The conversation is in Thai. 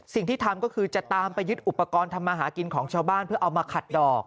สิ่งที่ทำก็คือจะตามไปยึดอุปกรณ์ทำมาหากินของชาวบ้านเพื่อเอามาขัดดอก